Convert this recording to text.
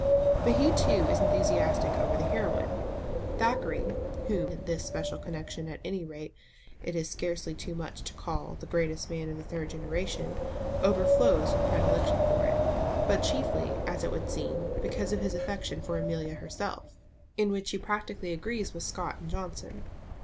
But he too is enthusiastic over the heroine. Thackeray (whom in this special connection at any rate it is scarcely too much to call the greatest man of the third generation) overflows with predilection for it, but chiefly, as it would seem, because of his affection for Amelia herself, in which he practically agrees with Scott and Johnson.